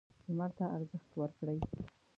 لمر ته ارزښت ورکړئ.